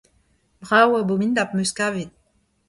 Brav-abominapl em eus kavet.